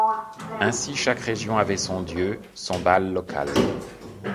Ainsi, chaque région avait son dieu, son Baal local.